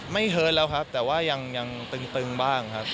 เฮิร์ตแล้วครับแต่ว่ายังตึงบ้างครับ